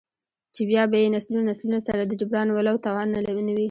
،چـې بـيا بـه يې نسلونه نسلونه سـره د جـبران ولـو تـوان نـه وي.